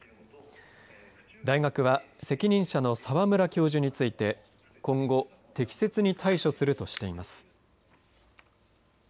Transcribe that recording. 大学は責任者の澤村教授について今後適切に対処するとしています。